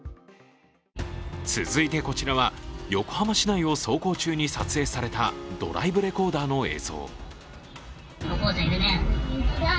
続いてこちらは、横浜市内を走行中に撮影されたドライブレコーダーの映像。